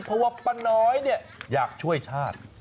เพราะว่าป้าน้อยเนี่ยอยากช่วยชาติ